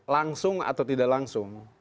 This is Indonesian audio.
langsung atau tidak langsung